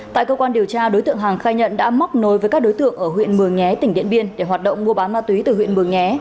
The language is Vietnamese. tại cơ quan điều tra đối tượng hàng khai nhận đã móc nối với các đối tượng ở huyện mường nhé tỉnh điện biên để hoạt động mua bán ma túy từ huyện mường nhé